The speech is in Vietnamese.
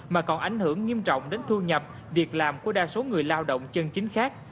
mà còn ảnh hưởng nghiêm trọng đến thu nhập việc làm của đa số người lao động chân chính khác